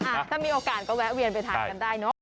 ถ้ามีโอกาสก็แวะเวียนไปทานกันได้เนอะ